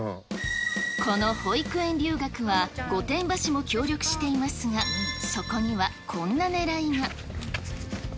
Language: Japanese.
この保育園留学は、御殿場市も協力していますが、そこにはこんなねらいが。